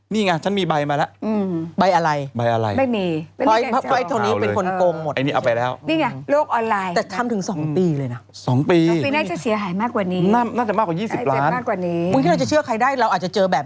นี่ไงบ๊ายอะไรกลายเพราะไอ้โทนีเป็นคนโกงหมด